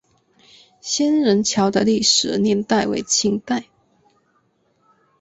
仙人桥的历史年代为清代。